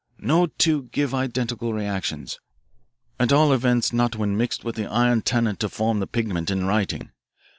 No two give identical reactions at all events not when mixed with the iron tannate to form the pigment in writing.